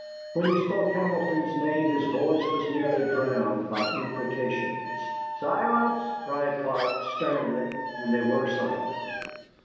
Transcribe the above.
When he spoke Hamilton's name his voice was nearly drowned by imprecations. "Silence!" cried Clark, sternly, and they were silent.